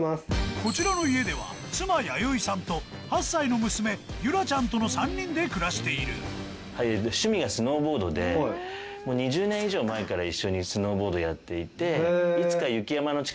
こちらの家では妻・弥生さんと８歳の娘優來ちゃんとの３人で暮らしているもう２０年以上前から一緒にスノーボードやっていて。